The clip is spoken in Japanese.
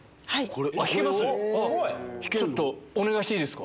はい。